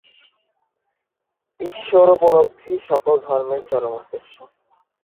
ঈশ্বরোপলব্ধিই সকল ধর্মের চরম উদ্দেশ্য।